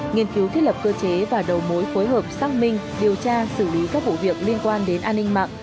nghiên cứu thiết lập cơ chế và đầu mối phối hợp xác minh điều tra xử lý các vụ việc liên quan đến an ninh mạng